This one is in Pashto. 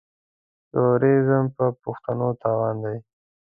تروريزم پر پښتنو تاوان دی.